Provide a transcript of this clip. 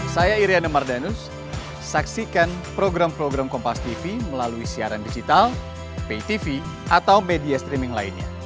saya iryana mardhanus saksikan program program kompas tv melalui siaran digital pay tv atau media streaming lainnya